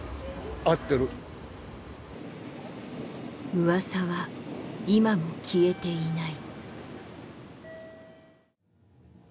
うわさは今も消えていない。